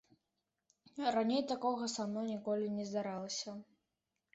Раней такога са мной ніколі не здаралася.